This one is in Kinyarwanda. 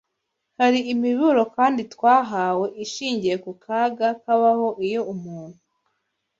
Hari imiburo kandi twahawe ishingiye ku kaga kabaho iyo umuntu